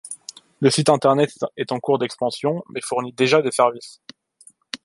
Le site internet est en cours d'expansion mais fournit déjà des services.